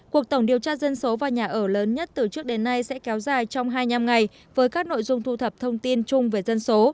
cuộc tổng điều tra dân số và nhà ở lớn nhất từ trước đến nay sẽ kéo dài trong hai mươi năm ngày với các nội dung thu thập thông tin chung về dân số